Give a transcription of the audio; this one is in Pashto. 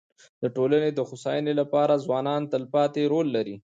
د ټولني د هوسايني لپاره ځوانان تلپاتي رول لري.